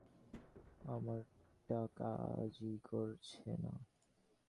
আমারটা কাজই করছে না।